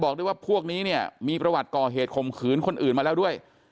ด้วยว่าพวกนี้เนี่ยมีประวัติก่อเหตุข่มขืนคนอื่นมาแล้วด้วย